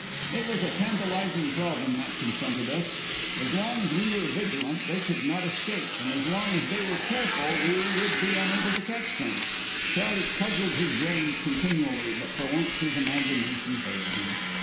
It was a tantalizing problem that confronted us. As long as we were vigilant, they could not escape; and as long as they were careful, we would be unable to catch them. Charley cudgelled his brains continually, but for once his imagination failed him.